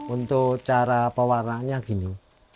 untuk cara pewarnaannya gini